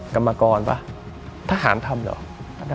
กรรมกรป่ะทหารทำเหรอ